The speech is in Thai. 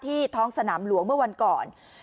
ท้องสนามหลวงเมื่อวันก่อน